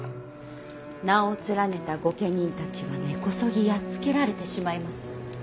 名を連ねた御家人たちは根こそぎやっつけられてしまいます。